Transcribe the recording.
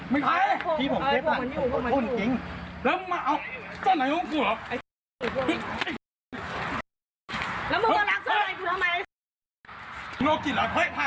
มึงเมาแล้วมึงรักพี่หรอฮะ